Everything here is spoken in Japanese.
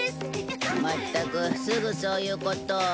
まったくすぐそういうことを。